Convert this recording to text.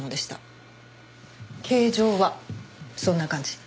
形状はそんな感じ。